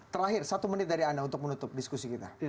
terakhir satu menit dari anda untuk menutup diskusi kita